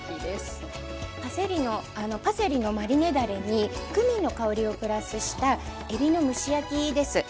パセリのマリネだれにクミンの香りをプラスしたえびの蒸し焼きです。